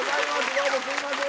どうもすいません